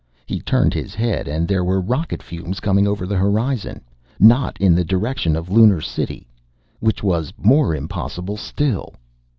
He turned his head, and there were rocket fumes coming over the horizon, not in the direction of Lunar City. Which was more impossible still.